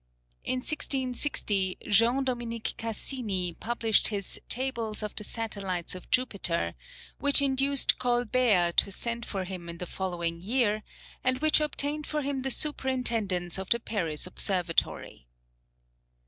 In 1660 Jean Dominique Cassini published his "Tables of the Satellites of Jupiter," which induced Colbert to send for him the following year, and which obtained for him the superintendence of the Paris Observatory.